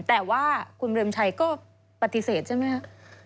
แต่ว่าคุณเบรมชัยก็ปฏิเสธใช่ไหมครับ